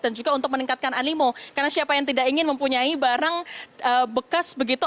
dan juga untuk meningkatkan animo karena siapa yang tidak ingin mempunyai barang bekas begitu